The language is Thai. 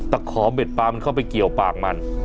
ขอเบ็ดปลามันเข้าไปเกี่ยวปากมัน